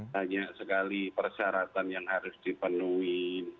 banyak sekali persyaratan yang harus dipenuhi